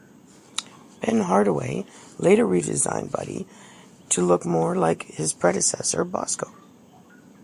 Ben Hardaway later redesigned Buddy to look more like his predecessor, Bosko.